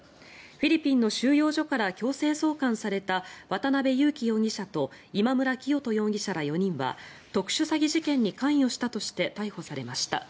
フィリピンの収容所から強制送還された渡邉優樹容疑者と今村磨人容疑者ら４人は特殊詐欺事件に関与したとして逮捕されました。